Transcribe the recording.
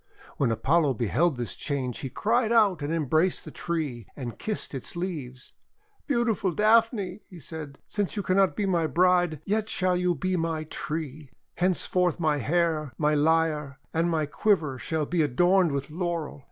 When Apollo beheld this change he cried out and embraced the tree, and kissed its leaves. "Beautiful Daphne," he said, "since you can not be my bride, yet shall you be my tree. Henceforth my hair, my lyre, and my quiver shall be adorned with Laurel.